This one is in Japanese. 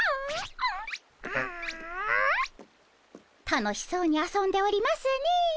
楽しそうに遊んでおりますねえ。